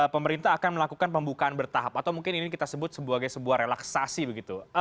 pemerintah akan melakukan pembukaan bertahap atau mungkin ini kita sebut sebagai sebuah relaksasi begitu